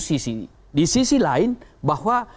sisi di sisi lain bahwa